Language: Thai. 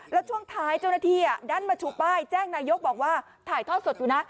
แล้วช่วงท้ายจ๒๐๑๕เดือนด้านหมอชูป้ายแจ้งนายกรบอกว่าถ่ายทอดสดอยู่นะ